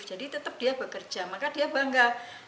jadi tetap dia bekerja maka dia bangga